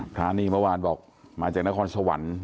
พระนี่ประมาณบอกมาจากนครสวรรค์